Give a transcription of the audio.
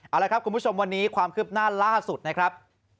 เอาละครับคุณผู้ชมวันนี้ความคืบหน้าล่าสุดนะครับ